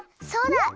そうだ！